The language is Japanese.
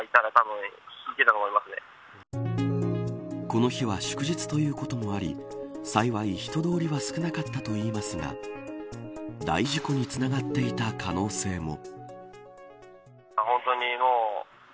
この日は祝日ということもあり幸い人通りは少なかったといいますが大事故につながっていた可能性も。